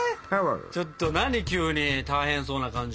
ちょっと何急に大変そうな感じ。